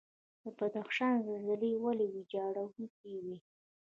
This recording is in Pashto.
د بدخشان زلزلې ولې ویجاړونکې وي؟